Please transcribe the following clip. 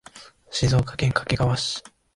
静岡県掛川市